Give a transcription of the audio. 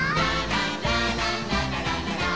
「ラララララララララー」